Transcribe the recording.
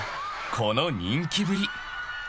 この人気ぶり］